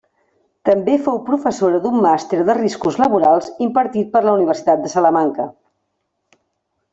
També fou professora d'un màster de riscos laborals impartit per la Universitat de Salamanca.